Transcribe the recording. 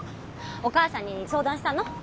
お母さんに相談したの？